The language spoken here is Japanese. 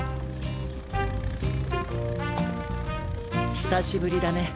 久しぶりだね